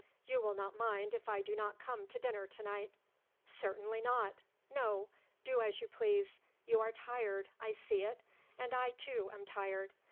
"You will not mind if I do not come to dinner to night." "Certainly not. No. Do as you please. You are tired. I see it. And I, too, am tired."